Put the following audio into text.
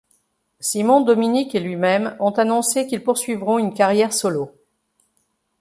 Simon Dominic et lui-même ont annoncé qu'ils poursuivront une carrière solo.